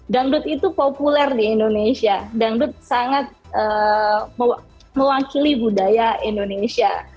dangdut itu populer di indonesia dangdut sangat mewakili budaya indonesia